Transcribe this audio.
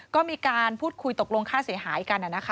ก็มีการพูดคุยตกลงค่าเสียหายกัน